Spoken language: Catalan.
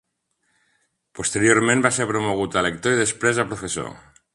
Posteriorment va ser promogut a lector i després a professor.